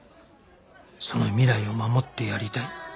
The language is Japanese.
その未来を守ってやりたい